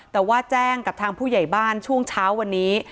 แต่ว่าแจ้งกับทางผู้ใหญ่บ้านช่วงเช้าวันนี้